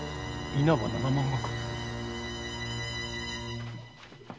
稲葉七万石？